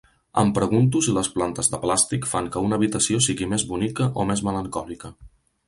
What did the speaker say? Em pregunto si les plantes de plàstic fan que una habitació sigui més bonica o més melancòlica.